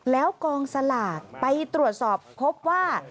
แล้วกองสลากไปตรวจสอบพบว่า